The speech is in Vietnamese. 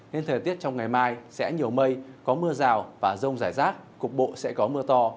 nên thời tiết trong ngày mai sẽ nhiều mây có mưa rào và rông rải rác cục bộ sẽ có mưa to